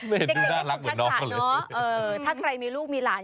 เด็กฝึกทักษะเนาะถ้าใครมีลูกมีหลาน